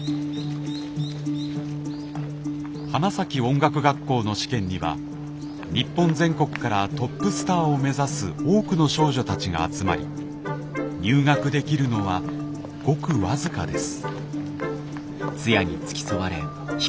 花咲音楽学校の試験には日本全国からトップスターを目指す多くの少女たちが集まり入学できるのはごく僅かです。